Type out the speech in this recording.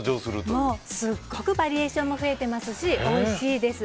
もうすごくバリエーションも増えていますし、おいしいです。